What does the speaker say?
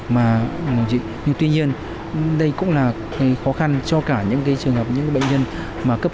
mà điều trị nhưng tuy nhiên đây cũng là cái khó khăn cho cả những cái trường hợp những bệnh nhân mà cấp